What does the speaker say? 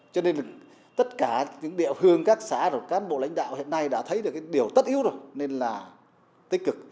cho nên tất cả những địa hương các xã các bộ lãnh đạo hiện nay đã thấy được điều tất yếu rồi nên là tích cực